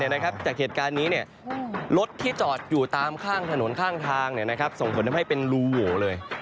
แต่ว่าที่แน่จากเหตุการณ์นี้รถที่จอดอยู่ตามนานทำส่งสนุนให้เป็นรูห์เลย